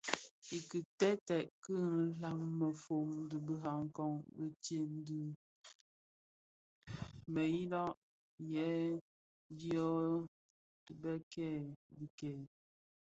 Iteeted ki nlaň mefom di Birakoň ditsem dyo dhemiya lè dyotibikèè dhikèè.